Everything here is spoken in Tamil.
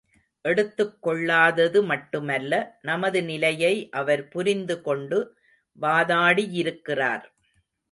எடுத்துக்கொள்ளாதது மட்டுமல்ல, நமது நிலையை அவர் புரிந்து கொண்டு வாதாடி யிருக்கிறார்.